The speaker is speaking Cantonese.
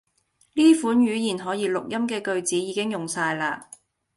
呢款語言可以錄音既句子已經用哂啦